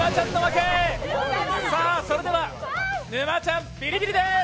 それでは沼ちゃんビリビリです！